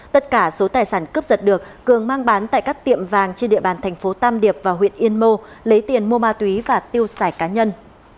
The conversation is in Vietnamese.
tất cả số tài sản cướp giật được cường mang bán tại các tiệm vàng trên địa bàn thành phố tam điệp và huyện yên mô lấy tiền mua ma túy và tiêu xài cá nhân